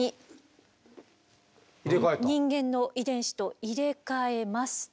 人間の遺伝子と入れ替えますと。